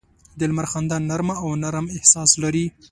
د لمر خندا نرمه او نرم احساس لري